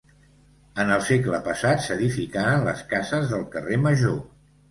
En el segle passat s'edificaren les cases del Carrer Major.